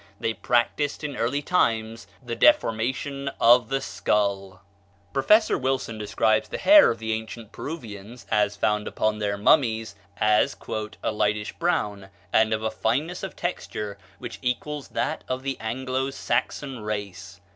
They practised in early times the deformation of the skull. Professor Wilson describes the hair of the ancient Peruvians, as found upon their mummies, as "a lightish brown, and of a fineness of texture which equals that of the Anglo Saxon race."